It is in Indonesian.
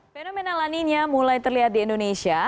fenomena laninya mulai terlihat di indonesia